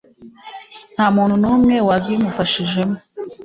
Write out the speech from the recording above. nta muntu n'umwe wazimufashijemo.